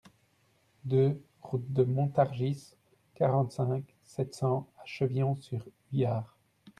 deux route de Montargis, quarante-cinq, sept cents à Chevillon-sur-Huillard